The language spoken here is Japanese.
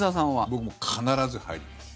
僕も必ず入ります。